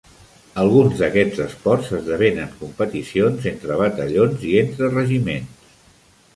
Alguns d'aquests esports esdevenen competicions entre batallons i entre regiments.